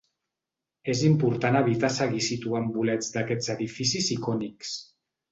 És important evitar seguir situant bolets d’aquests edificis icònics.